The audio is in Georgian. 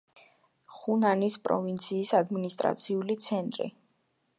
ხუნანის პროვინციის ადმინისტრაციული ცენტრი.